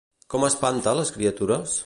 Com espanta les criatures?